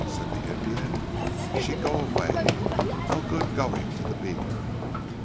said the Indian. "She go away. No good going to the beaver."